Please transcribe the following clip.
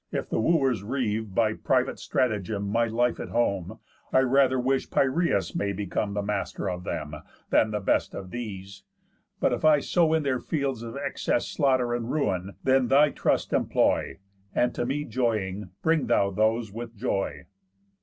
If the Wooers reave By privy stratagem my life at home, I rather wish Piræus may become The master of them, than the best of these. But, if I sow in their fields of excess Slaughter and ruin, then thy trust employ, And to me joying bring thou those with joy."